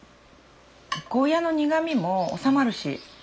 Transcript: ゴーヤの苦みもおさまるし。